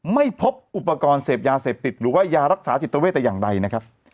ไม่พบอุปกรณ์เสพยาเสพติดหรือว่ายารักษาจิตเวทแต่อย่างใดนะครับ